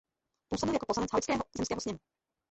Působil jako poslanec Haličského zemského sněmu.